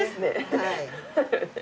はい。